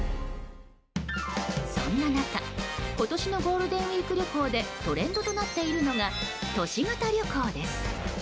そんな中今年のゴールデンウィーク旅行でトレンドとなっているのが都市型旅行です。